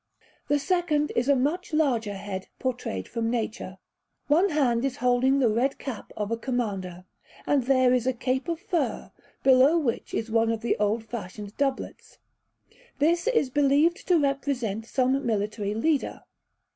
The second is a much larger head, portrayed from nature; one hand is holding the red cap of a commander, and there is a cape of fur, below which is one of the old fashioned doublets. This is believed to represent some military leader.